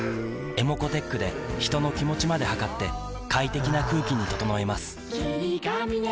ｅｍｏｃｏーｔｅｃｈで人の気持ちまで測って快適な空気に整えます